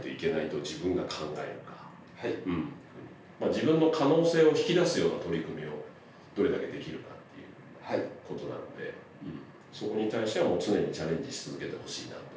自分の可能性を引き出すような取り組みをどれだけできるかっていうことなのでそこに対しては常にチャレンジし続けてほしいなと思うので。